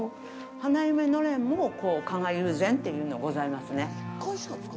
花嫁のれんも加賀友禅というのございますね。